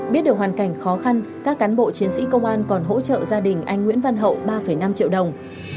biết được hoàn cảnh khó khăn các cán bộ chiến sĩ công an còn hỗ trợ gia đình anh nguyễn văn hậu ba năm triệu đồng